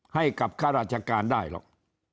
ให้กับค่าราชการได้หรอก